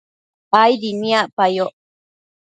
aidi niacpayoc